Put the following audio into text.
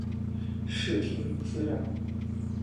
视听资料